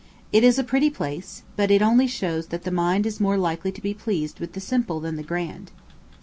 It is a pretty place, but it only shows that the mind is more likely to be pleased with the simple than the grand.